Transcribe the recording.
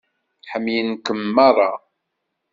Ḥemmlen-kem meṛṛa.